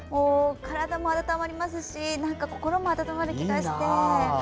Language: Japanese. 体も温まりますし心も温まる気がして。